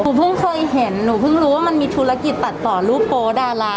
เพิ่งเคยเห็นหนูเพิ่งรู้ว่ามันมีธุรกิจตัดต่อรูปโป๊ดารา